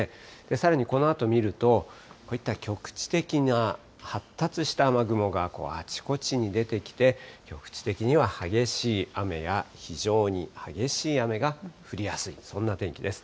さらに、このあと見ると、こういった局地的な発達した雨雲がこう、あちこちに出てきて、局地的には激しい雨や非常に激しい雨が降りやすい、そんな天気です。